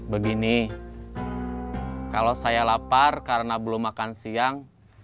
begini kalau saya lapar karena belum makan siang